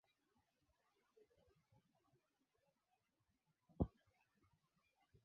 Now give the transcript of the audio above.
Nchi zilizo na miamba ya matumbawe zinaweza kuchukua hatua muhimu